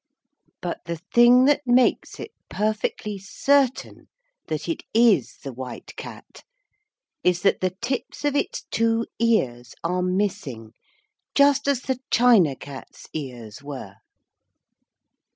But the thing that makes it perfectly certain that it is the White Cat is that the tips of its two ears are missing just as the China Cat's ears were.